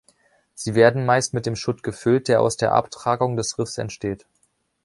Sie werden meist mit dem Schutt gefüllt, der aus der Abtragung des Riffs entsteht.